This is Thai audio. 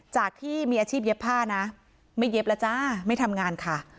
จากที่มีอาชีพเย็บผ้านะไม่เย็บแล้วจ้าไม่ทำงานค่ะ